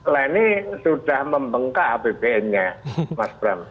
lainnya sudah membengkak apbn nya mas bram